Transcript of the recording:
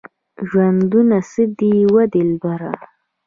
ژوندونه څه دی وه دلبره؟